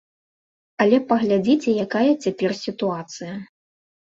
Але паглядзіце, якая цяпер сітуацыя.